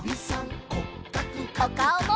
おかおも！